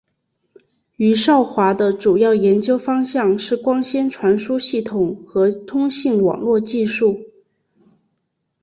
余少华的主要研究方向是光纤传输系统和通信网络技术。